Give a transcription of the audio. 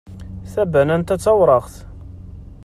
Tabanant-a d tawraɣt.